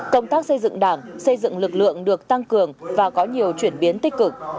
công tác xây dựng đảng xây dựng lực lượng được tăng cường và có nhiều chuyển biến tích cực